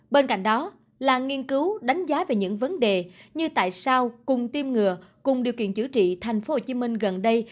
bên cạnh đó là nghiên cứu đánh giá về những vấn đề như tại sao cùng tiêm ngừa cùng điều kiện chữa trị thành phố hồ chí minh gần đây